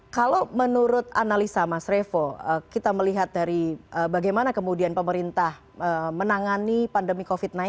kalau menurut analisa mas revo kita melihat dari bagaimana kemudian pemerintah menangani pandemi covid sembilan belas